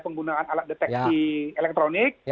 penggunaan alat deteksi elektronik